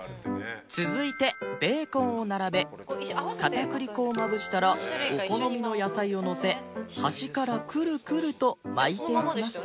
続いてベーコンを並べ片栗粉をまぶしたらお好みの野菜をのせ端からくるくると巻いていきます